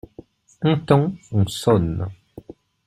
Un temps, on sonne.